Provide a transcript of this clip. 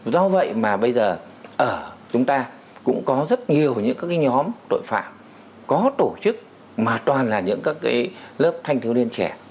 do vậy mà bây giờ ở chúng ta cũng có rất nhiều những các nhóm tội phạm có tổ chức mà toàn là những các lớp thanh thiếu niên trẻ